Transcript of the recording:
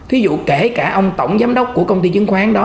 thí dụ kể cả ông tổng giám đốc của công ty chứng khoán đó